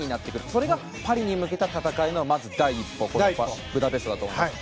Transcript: それがパリに向けた戦いの第一歩ブダペストだと思います。